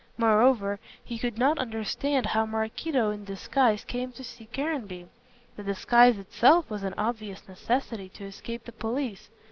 Moreover, he could not understand how Maraquito in disguise came to see Caranby. The disguise itself was an obvious necessity to escape the police.